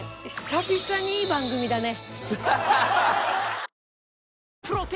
久々にいい番組だね。